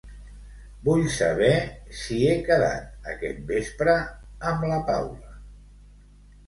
Vull saber si he quedat aquest vespre amb la Paula.